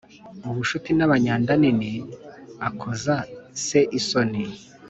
Ubucuti n abanyandanini akoza se isoni